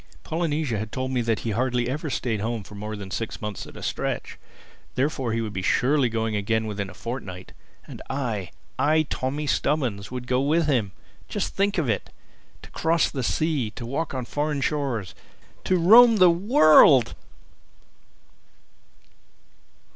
Polynesia had told me that he hardly ever stayed at home for more than six months at a stretch. Therefore he would be surely going again within a fortnight. And I—I, Tommy Stubbins, would go with him! Just to think of it!—to cross the Sea, to walk on foreign shores, to roam the World!